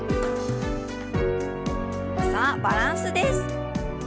さあバランスです。